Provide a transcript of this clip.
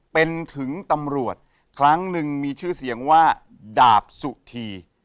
เป็นถึงตำรวจครั้งหนึ่งมีชื่อเสียงว่าดาบสุธี